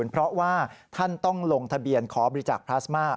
เพราะว่าท่านต้องลงทะเบียนขอบริจาคพลาสมา